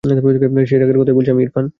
সেই রাগের কথায় বলছি, ইরফান।